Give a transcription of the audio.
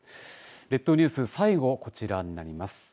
列島ニュース最後こちらになります。